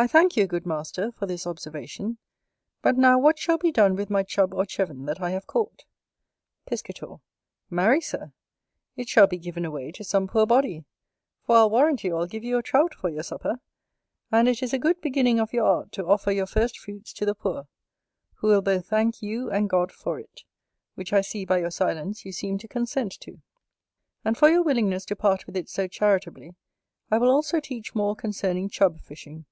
I thank you, good master, for this observation. But now what shall be done with my Chub or Cheven that I have caught? Piscator. Marry, Sir, it shall be given away to some poor body; for I'll warrant you I'll give you a Trout for your supper: and it is a good beginning of your art to offer your first fruits to the poor, who will both thank you and God for it, which I see by your silence you seem to consent to. And for your willingness to part with it so charitably, I will also teach more concerning Chub fishing.